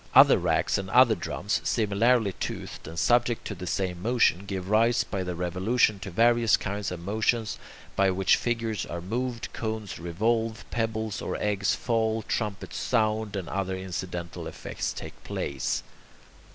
Other racks and other drums, similarly toothed and subject to the same motion, give rise by their revolution to various kinds of motions, by which figures are moved, cones revolve, pebbles or eggs fall, trumpets sound, and other incidental effects take place.